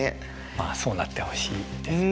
まあそうなってほしいですね。